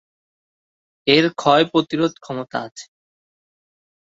এর ক্ষয় প্রতিরোধ ক্ষমতা আছে।